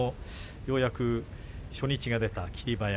ようやく初日が出た霧馬山。